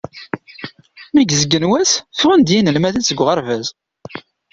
Mi i izeggen wass, ffɣen-d yinelmaden seg uɣerbaz.